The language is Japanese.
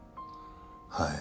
はい。